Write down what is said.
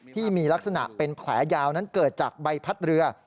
ที่มีลักษณะเป็นแผลยาวนั้นเกิดจากใบพัดเรือ